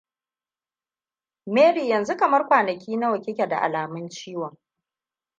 mary yanzu kamar kwanaki nawa kike da alamun ciwon